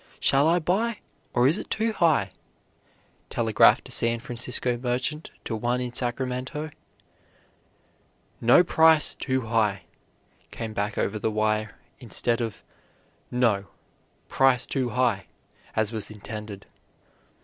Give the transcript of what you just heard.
Shall I buy, or is it too high?" telegraphed a San Francisco merchant to one in Sacramento. "No price too high," came back over the wire instead of "No. Price too high," as was intended.